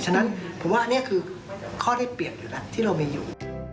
ฉะนั้นผมว่าอันนี้คือข้อได้เปรียบอยู่แล้วที่เรามีอยู่